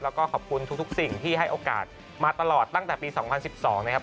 แล้วก็ขอบคุณทุกสิ่งที่ให้โอกาสมาตลอดตั้งแต่ปี๒๐๑๒นะครับ